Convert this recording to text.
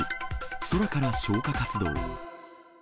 空から消火活動。